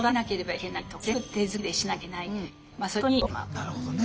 なるほどね。